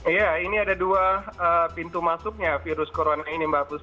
iya ini ada dua pintu masuknya virus corona ini mbak puspa